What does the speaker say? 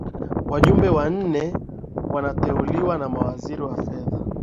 wajumbe wanne wanateuliwa na waziri wa fedha